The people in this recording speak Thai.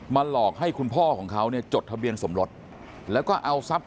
หลอกให้คุณพ่อของเขาเนี่ยจดทะเบียนสมรสแล้วก็เอาทรัพย